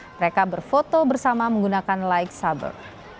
mereka berfoto bersama menggunakan light saber